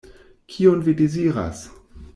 Kion vi deziras?